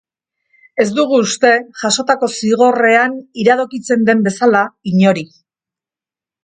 Ez dugu uste, jasotako zigorrean iradokitzen den bezala, inori.